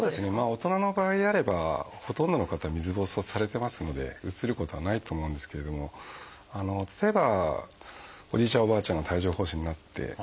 大人の場合であればほとんどの方水ぼうそうされてますのでうつることはないと思うんですけれども例えばおじいちゃんおばあちゃんが帯状疱疹になって。